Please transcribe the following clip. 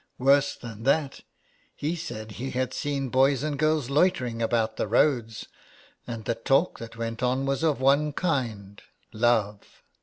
Worse than that, he said he had seen boys and girls loitering about the roads, and the talk that went on was of one kind — love.